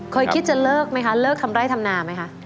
เคยคิดจะเลิกไหมคะเลิกทำไร่ทำนาไหมคะ